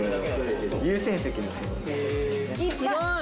すごい。